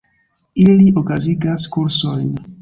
Ili okazigas kursojn.